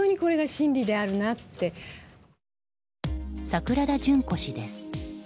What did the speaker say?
桜田淳子氏です。